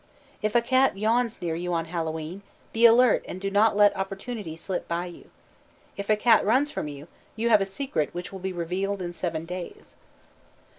If a cat yawns near you on Hallowe'en, be alert and do not let opportunity slip by you. If a cat runs from you, you have a secret which will be revealed in seven days.